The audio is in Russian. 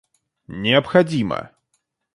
необходимо